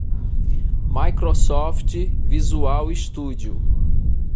Microsoft Visual Studio.